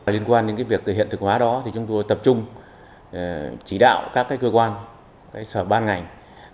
liên quan đến việc hiện thực hóa đó thì chúng tôi tập trung chỉ đạo các cơ quan sở ban ngành